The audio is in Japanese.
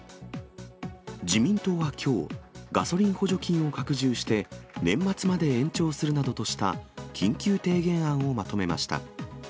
自民党はきょう、ガソリン補助金を拡充して、年末まで延長するなどとした緊急提言案をまとめました。